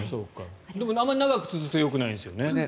あまり長く続くとよくないんですよね。